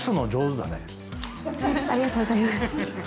ありがとうございます。